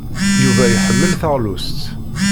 Yuba iḥemmel taɣlust.